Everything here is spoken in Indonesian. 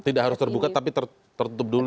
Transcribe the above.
tidak harus terbuka tapi tertutup dulu